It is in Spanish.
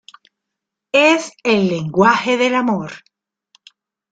Es el lenguaje del amor.